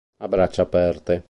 A braccia aperte